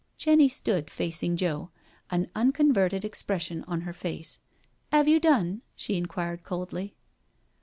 Jenny stood facing Joe, an unconverted expression on her face. " 'Ave you done?" she inquired coldly.